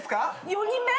４人目？